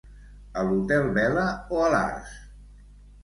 A l'hotel Vela o a l'Arts?